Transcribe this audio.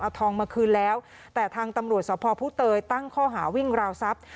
เอาทองมาคืนแล้วแต่ทางตำรวจสภผู้เตยตั้งข้อหาวิ่งราวทรัพย์